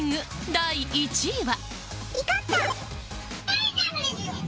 第１位は。